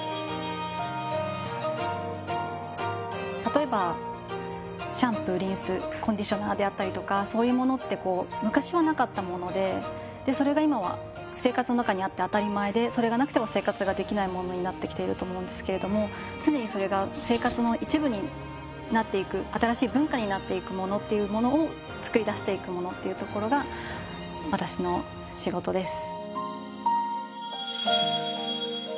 例えばシャンプーリンスコンディショナーであったりとかそういうものって昔はなかったものでそれがいまは生活の中にあって当たり前でそれがなくては生活ができないものになってきていると思うんですけれども常にそれが生活の一部になっていく新しい文化になっていくものっていうものをつくり出していくものっていうところが私の仕事です。